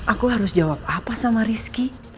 aku harus jawab apa sama rizky